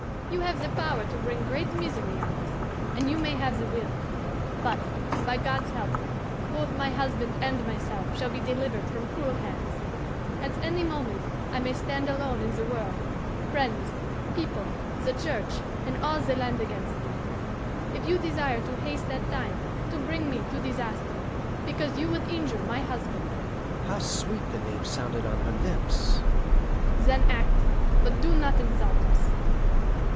You have the power to bring great misery on us, and you may have the will, but, by God's help, both my husband and myself shall be delivered from cruel hands. At any moment I may stand alone in the world, friends, people, the Church, and all the land against me: if you desire to haste that time, to bring me to disaster, because you would injure my husband," how sweet the name sounded on her lips! "then act, but do not insult us.